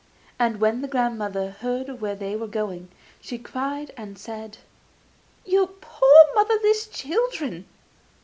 And when the grandmother heard where they were going, she cried and said: 'You poor motherless children!